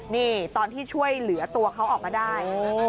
นี่ตอนที่ช่วยเหลือตัวเขาออกมาได้